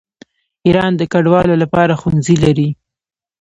ایران د کډوالو لپاره ښوونځي لري.